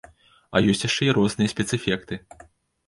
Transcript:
А ёсць яшчэ і розныя спецэфекты!